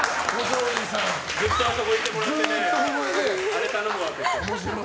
ずっとあそこにいてもらってあれ頼むわって。